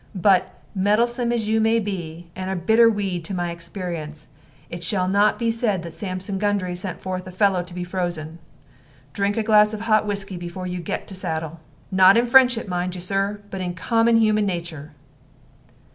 But, meddlesome as you be, and a bitter weed to my experience, it shall not be said that Sampson Gundry sent forth a fellow to be frozen. Drink a glass of hot whiskey before you get to saddle. Not in friendship, mind you, Sir, but in common human nature."